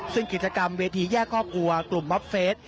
ซึ่งกิจกรรมเวทีแยกครอบครัวกลุ่มมอบเฟส